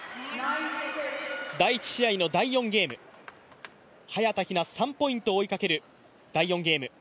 第１試合の第４ゲーム、早田ひな、３ポイントを追いかける第４ゲーム。